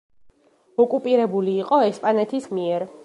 ოკუპირებული იყო ესპანეთის მიერ.